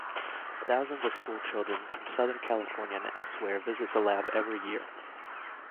Thousands of schoolchildren from Southern California and elsewhere visit the lab every year.